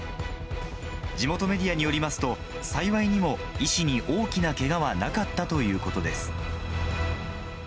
地元メディアによりますと、幸いにも医師に大きなけがはなかったということです。